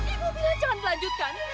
ibu bilang jangan lanjutkan